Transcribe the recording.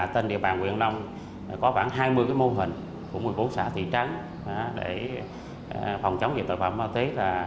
trên địa bàn huyện nông có khoảng hai mươi mô hình của một mươi bốn xã thị trắng để phòng chống dịch tội phạm ma túy